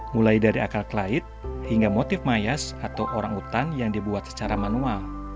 mulai dari akal klait hingga motif mayas atau orang utan yang dibuat secara manual